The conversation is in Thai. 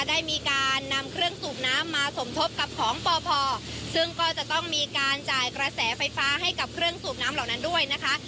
ได้มีการนำเครื่องสูบน้ำมาสมทบกับของปพซึ่งก็จะต้องมีการจ่ายกระแสไฟฟ้าให้กับเครื่องสูบน้ำเหล่านั้นด้วยนะคะ